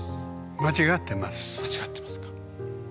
間違ってますか。